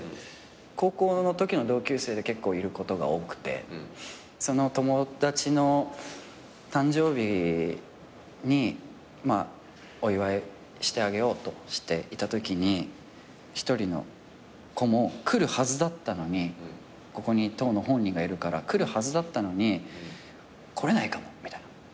高校のときの同級生で結構いることが多くてその友達の誕生日にお祝いしてあげようとしていたときに１人の子も来るはずだったのにここに当の本人がいるから来るはずだったのに来れないかもみたいな。